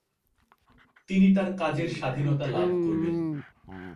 তিনি তার কাজের স্বাধীনতা লাভ করবেন।